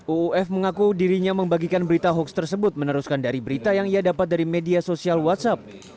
uuf mengaku dirinya membagikan berita hoax tersebut meneruskan dari berita yang ia dapat dari media sosial whatsapp